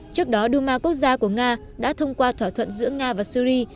trước đó duma quốc gia của nga đã thông qua thỏa thuận giữa nga và syri